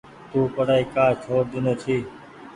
تو پڙآئي ڪآ ڇوڙ ۮينو ڇي۔